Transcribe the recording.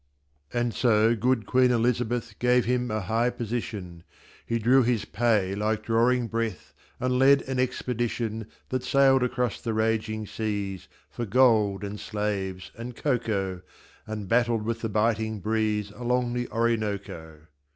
And so good Queen Elizabeth Gave him a high position He drew his pay like drawing breath And led an expedition That sailed across the raging seas For gold and slaves and cocoa, And battled with the biting breeze Along the Orinoco.